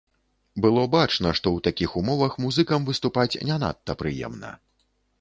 Было бачна, што ў такіх умовах музыкам выступаць не надта прыемна.